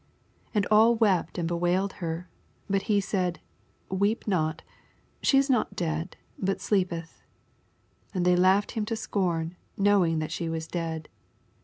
52 And all wept, and bewailed her • but he said, Weep not ; she is not dead, but sleepeth. 63 And they laughed him to scorn knowing that she was dead.